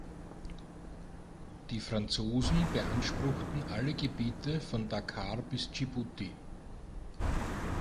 Die Franzosen beanspruchten alle Gebiete von Dakar bis Dschibuti.